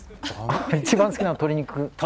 一番好きなのは鶏肉？